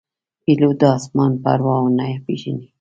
پیلوټ د آسمان پړاوونه پېژني.